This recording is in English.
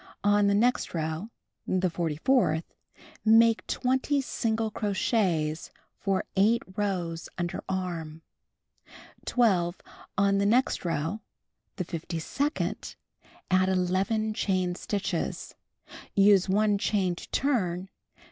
On the next row (the forty fourth) make 20 single crochets for 8 rows under arm. 12. On the next row (the fifty second) add 11 chain stitches. Use 1 chain to turn.